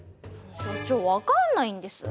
所長分かんないんです。